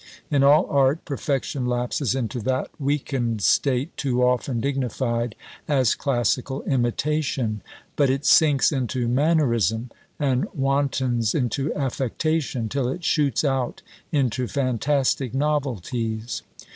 In all Art, perfection lapses into that weakened state too often dignified as classical imitation; but it sinks into mannerism, and wantons into affectation, till it shoots out into fantastic novelties.